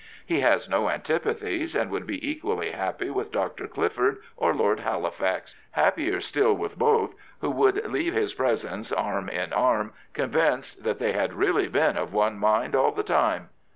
He has no antipathies, and would be equally happy with Dr. Clifford or Lord Halifax, happier still with both, who would leave his presence arm in arm convinced that they had really been of one mind all the time.